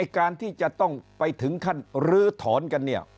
การที่จะต้องไปถึงขั้นลื้อถอนกันเนี่ย